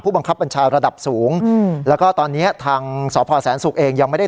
บังคับบัญชาระดับสูงอืมแล้วก็ตอนเนี้ยทางสพแสนศุกร์เองยังไม่ได้